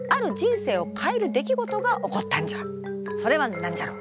それは何じゃろう？